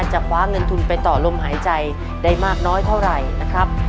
คว้าเงินทุนไปต่อลมหายใจได้มากน้อยเท่าไหร่นะครับ